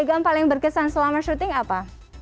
yang paling berkesan selama syuting apa